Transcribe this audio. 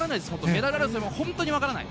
メダル争いも本当に分からない。